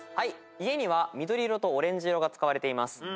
「いえ」には緑色とオレンジ色が使われています。